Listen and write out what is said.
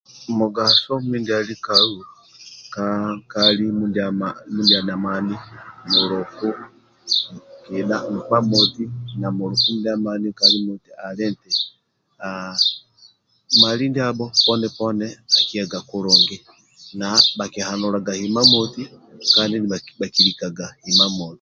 mugaso mindialinai ka nkali mindia muhamani muluku keda nkpa moti na muluku mindia amuhami nkali moti ali nti Mali ndiabo poni poni akiyaga kulungi na bakihanulaga imamoti kandi bakilikaga imamoti